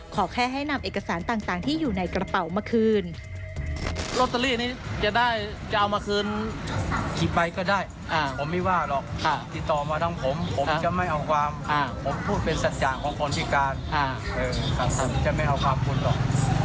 ขอแค่ให้นำเอกสารต่างที่อยู่ในกระเป๋ามาคืน